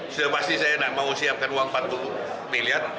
sudah pasti saya tidak mau siapkan uang empat puluh miliar